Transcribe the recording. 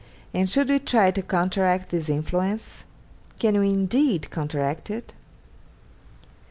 And should we try to counteract this influence? Can we indeed counteract it?'